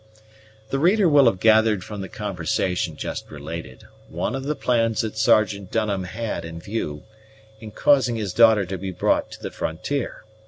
The reader will have gathered from the conversation just related, one of the plans that Sergeant Dunham had in view in causing his daughter to be brought to the frontier.